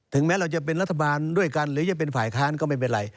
แม้เราจะเป็นรัฐบาลด้วยกันหรือจะเป็นฝ่ายค้านก็ไม่เป็นไร